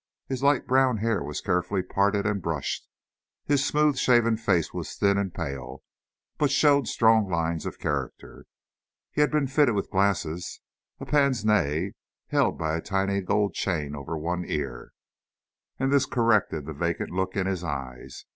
His light brown hair was carefully parted and brushed; his smooth shaven face was thin and pale, but showed strong lines of character. He had been fitted with glasses, a pince nez, held by a tiny gold chain over one ear, and this corrected the vacant look in his eyes.